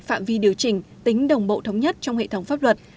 phạm vi điều chỉnh tính đồng bộ thống nhất trong hệ thống pháp luật